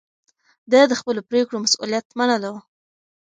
ده د خپلو پرېکړو مسووليت منلو.